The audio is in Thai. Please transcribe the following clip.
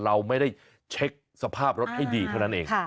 เราไม่ได้เช็คสภาพรถให้ดีเท่านั้นเอง